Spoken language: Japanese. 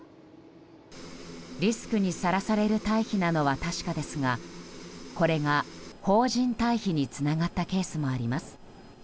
リスクにさらされる退避なのは確かですがこれが邦人退避につながったケースもあります。